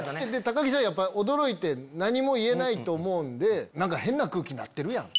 高木さんやっぱ驚いて何も言えないと思うんで「なんか変な空気になってるやん！」。